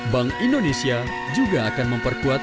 bank indonesia juga akan memperkuat